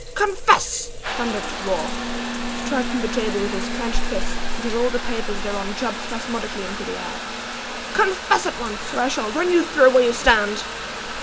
"Confess!" thundered the dwarf, striking the table with his clinched fist, until all the papers thereon jumped spasmodically into the air "confess at once, or I shall run you through where you stand!"